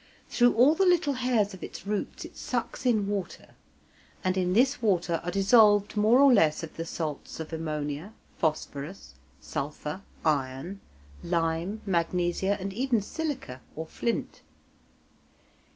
Through all the little hairs of its roots it sucks in water, and in this water are dissolved more or less of the salts of ammonia, phosphorus, sulphur, iron, lime, magnesia, and even silica, or flint.